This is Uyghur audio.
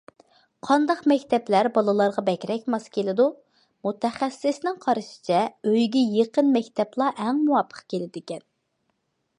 قانداق مەكتەپلەر بالىلارغا بەكرەك ماس كېلىدۇ؟ مۇتەخەسسىسنىڭ قارىشىچە، ئۆيگە يېقىن مەكتەپلا ئەڭ مۇۋاپىق كېلىدىكەن.